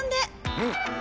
うん。